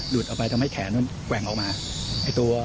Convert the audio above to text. ลุดออกไปทำให้แขนนั้นแกว่งออกมา